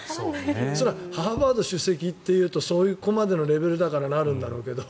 それはハーバード首席っていうとそこまでのレベルだからなるんだろうけど。